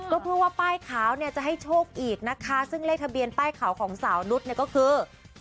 ก็เพื่อว่าป้ายขาวเนี่ยจะให้โชคอีกนะคะซึ่งเลขทะเบียนป้ายขาวของสาวนุษย์เนี่ยก็คือ